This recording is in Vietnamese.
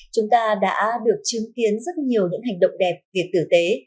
chúng ta đã được chứng kiến rất nhiều những hành động đẹp việc tử tế